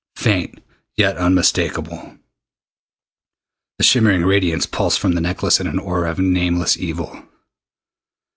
Faint, yet unmistakable, the shimmering radiance pulsed from the necklace in an aura of nameless evil.